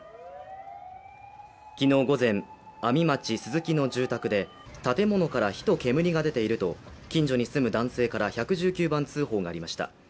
昨日午前、阿見町鈴木の住宅で建物から火と煙が出ていると近所に住む男性から１１９番通報がありました。